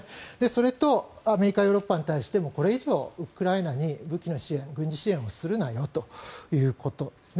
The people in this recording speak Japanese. それとアメリカ、ヨーロッパに対してもこれ以上ウクライナに軍事支援をするなよということです。